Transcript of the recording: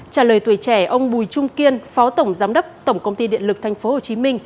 trả lời tuổi trẻ ông bùi trung kiên phó tổng giám đốc tổng công ty điện lực tp hcm